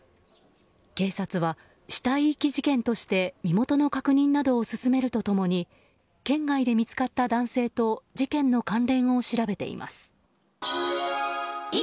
警察は死体遺棄事件として身元の確認などを進めると共に県外で見つかった男性と事件の関連を調べています。